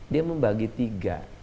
dia membagi tiga